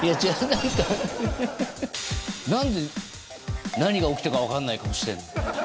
なんか、なんで、何が起きたか分かんない顔してんの？